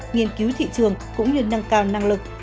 nghiên cứu thị trường cũng như nâng cao năng lực